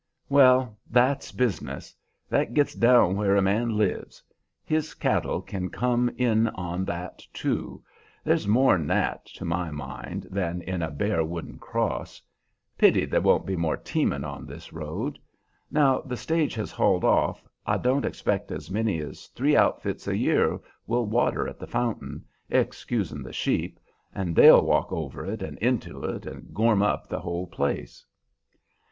"Well, that's business! That gits down where a man lives. His cattle kin come in on that, too. There's more in that, to my mind, than in a bare wooden cross. Pity there won't be more teamin' on this road. Now the stage has hauled off, I don't expect as many as three outfits a year will water at that fountain, excusin' the sheep, and they'll walk over it and into it, and gorm up the whole place."